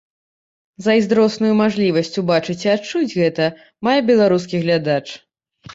Зайздросную мажлівасць убачыць і адчуць гэта мае беларускі глядач.